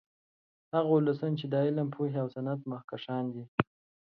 هغه ولسونه چې د علم، پوهې او صنعت مخکښان دي